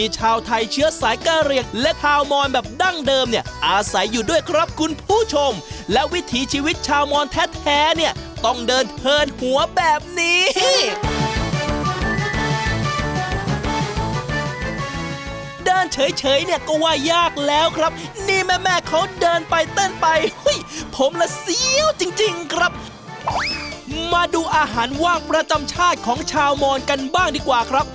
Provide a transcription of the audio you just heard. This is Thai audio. จริงจริงครับมาดูอาหารว่างประจำชาติของชาวมอนกันบ้างดีกว่าครับ